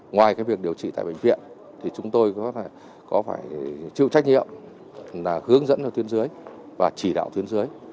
ngoài cái việc điều trị tại bệnh viện thì chúng tôi có phải chịu trách nhiệm là hướng dẫn cho tuyến dưới và chỉ đạo tuyến dưới